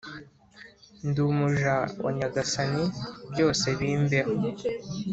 “ndi umuja wa nyagasani byose bimbeho